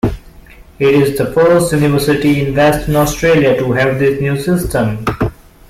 It is the first University in Western Australia to have this new system.